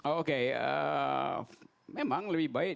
oke memang lebih baik